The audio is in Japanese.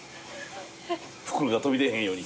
袋から飛び出へんように。